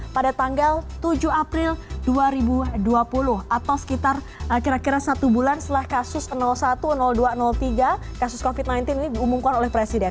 pada tanggal tujuh april dua ribu dua puluh atau sekitar kira kira satu bulan setelah kasus satu dua tiga kasus covid sembilan belas ini diumumkan oleh presiden